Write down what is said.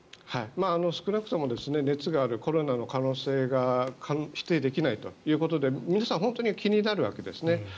少なくとも熱があるコロナの可能性が否定できないということで皆さん本当に気になるわけですね。